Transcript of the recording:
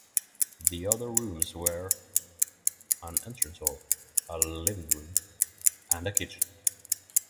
The other rooms were an entrance hall, a living room and a kitchen.